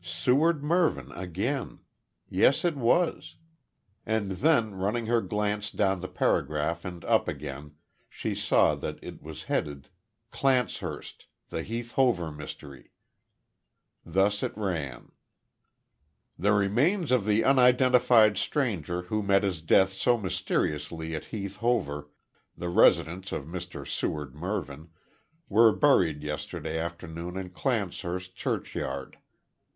"Seward Mervyn" again. Yes it was. And then running her glance down the paragraph and up again, she saw that it was headed: "Clancehurst The Heath Hover Mystery." Thus it ran: "The remains of the unidentified stranger, who met his death so mysteriously at Heath Hover, the residence of Mr Seward Mervyn, were buried yesterday afternoon in Clancehurst churchyard.